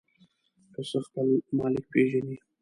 پسه خپل مالک پېژني.